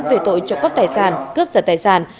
về tội trộm cắp tài sản cướp giật tài sản